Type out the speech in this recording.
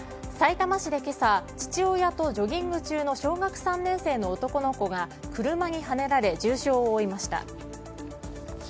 さいたま市で今朝父親とジョギング中の小学３年生の男の子が車にはねられ重傷を負いました。